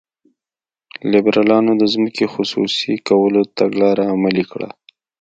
لیبرالانو د ځمکې خصوصي کولو تګلاره عملي کړه.